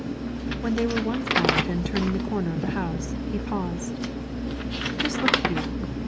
When they were once out and turning the corner of the house, he paused. "Just look here.